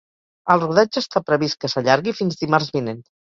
El rodatge està previst que s’allargui fins dimarts vinent.